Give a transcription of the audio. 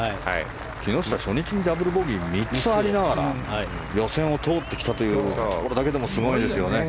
木下、初日にダブルボギー３つありながら予選を通ってきたということだけでもすごいですよね。